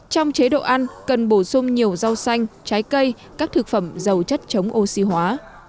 trong chế độ ăn cần bổ sung nhiều rau xanh trái cây các thực phẩm giàu chất chống oxy hóa